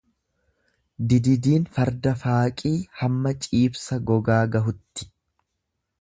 Dididiin farda faaqii hamma ciibsa gogaa gahutti.